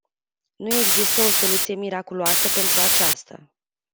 Nu există o soluție miraculoasă pentru aceasta.